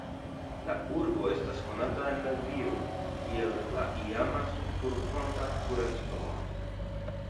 La urbo estas konata en Latvio kiel la iama sulfurfonta kuracloko.